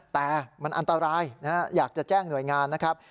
แต่มันอันตรายอยากจะแจ้งหน่วยงานนะครับ